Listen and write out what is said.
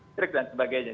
trik dan sebagainya